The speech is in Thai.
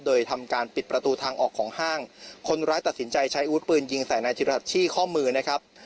โดยทำการปิดประตูทางออกของห้างคนร้ายตัดสินใจใช้อาวุธปืนยิงใส่นายธิรัสที่ข้อมือนะครับ